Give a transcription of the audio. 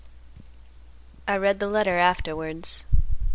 "I read the letter afterwards.